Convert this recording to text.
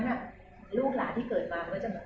หรือเป็นอะไรที่คุณต้องการให้ดู